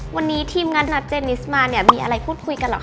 วันนี้ทีมงานนัดเจนิสมาเนี่ยมีอะไรพูดคุยกันเหรอค